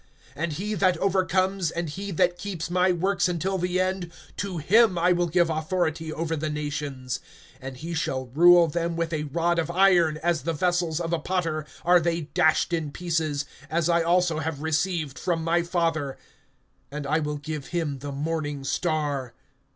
(26)And he that overcomes, and he that keeps my works until the end, to him I will give authority over the nations; (27)and he shall rule them with a rod of iron, as the vessels of a potter are they dashed in pieces, as I also have received from my Father; (28)and I will give him the morning star.